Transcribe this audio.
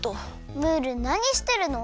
ムールなにしてるの？